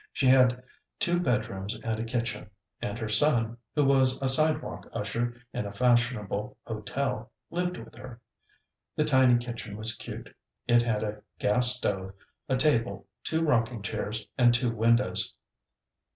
She had two bed rooms and a kitchen, and her son, who was a sidewalk usher in a fashionable hotel, lived with her. The tiny kitchen was cute. It had a gas stove, a table, two rocking chairs and two windows.